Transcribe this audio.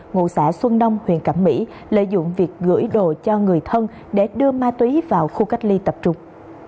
ngụ xã xuân đông huyện cẩm mỹ lợi dụng việc gửi đồ cho người thân để đưa ma túy vào khu cách ly tập trung